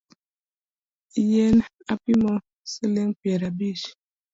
Yien apimo siling’ piero abich